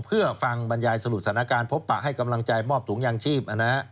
เพื่อฟังบรรยายสรุปสถานการณ์พบปะให้กำลังใจมอบถุงยางชีพ